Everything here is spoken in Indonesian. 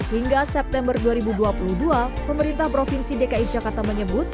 hingga september dua ribu dua puluh dua pemerintah provinsi dki jakarta menyebut